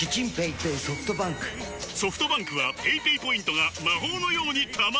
ソフトバンクはペイペイポイントが魔法のように貯まる！